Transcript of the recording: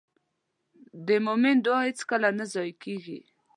د مؤمن دعا هېڅکله نه ضایع کېږي.